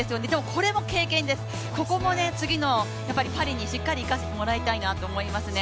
これも経験です、ここも次のパリにしっかり生かしてもらいたいなと思いますね。